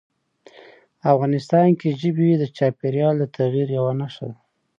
افغانستان کې ژبې د چاپېریال د تغیر یوه نښه ده.